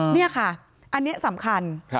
นี่ค่ะอันนี้สำคัญ